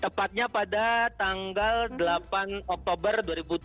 tepatnya pada tanggal delapan oktober dua ribu tiga puluh tiga